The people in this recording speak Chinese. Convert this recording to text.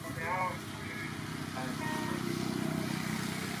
担任台盟广东省副主委。